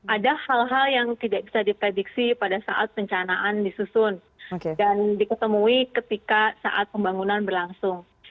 ada hal hal yang tidak bisa diprediksi pada saat pencanaan disusun dan diketemui ketika saat pembangunan berlangsung